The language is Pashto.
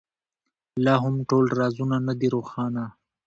لا هم ټول رازونه نه دي روښانه.